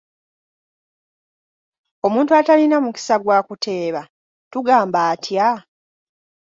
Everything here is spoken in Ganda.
Omuntu atalina mukisa gwa kuteeba tugamba atya?